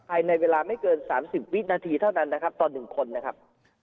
ภายในเวลาไม่เกิน๓๐วินาทีเท่านั้นนะครับต่อ๑คนนะครับ